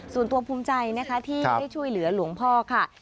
ส่วนตัวภูมิใจนะคะที่ได้ช่วยเหลือหลวงพ่อค่ะ